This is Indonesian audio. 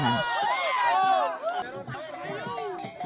ketangkasan rotan menyerang